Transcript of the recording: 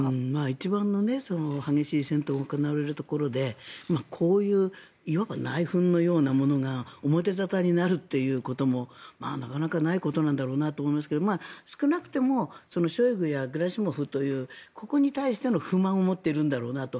一番の激しい戦闘が行われるところでこういういわば内紛のようなものが表沙汰になるということもなかなかないことなんだろうなと思いますけれど少なくともショイグやゲラシモフというここに対しての不満を持っているんだろうなと。